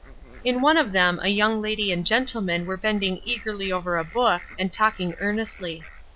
In one of them a young lady and gentleman were bending eagerly over a book and talking earnestly.